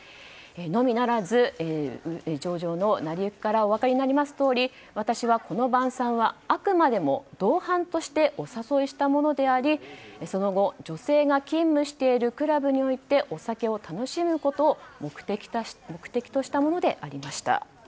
のみならず、上述の成り行きからお分かりになりますとおり私はこの晩餐はあくまでも同伴としてお誘いしたものでありその後、女性が勤務しているクラブにおいてお酒を楽しむことを目的としたものでありました。